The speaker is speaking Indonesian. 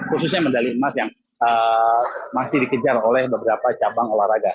khususnya medali emas yang masih dikejar oleh beberapa cabang olahraga